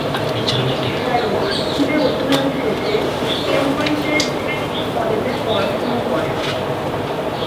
Harrow স্কুলে অধ্যয়ন শেষে কেমব্রিজের ট্রিনিটি কলেজে পড়াশুনো করেন।